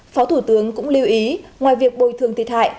phó thủ tướng cũng lưu ý ngoài việc bồi thường thiệt hại